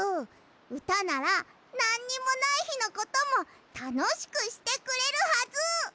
うたならなんにもないひのこともたのしくしてくれるはず！